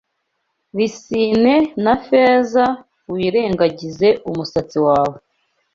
lisine na feza; wirengagize umusatsi wawe